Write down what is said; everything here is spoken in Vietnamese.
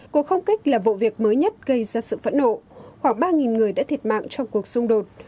cuộc không kích là vụ việc mới nhất gây ra sự phẫn nộ khoảng ba người đã thiệt mạng trong cuộc xung đột